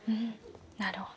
なるほど。